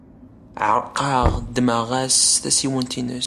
Ɛerqeɣ, ddmeɣ-as tasiwant-nnes.